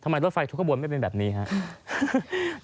ทำไมรถไฟทุกข้างบนไม่เป็นแบบนี้ฮะ